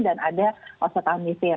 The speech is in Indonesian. dan ada oksetamifir